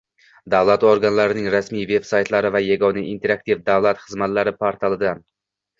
davlat organlarining rasmiy veb-saytlari va Yagona interaktiv davlat xizmatlari portalidan;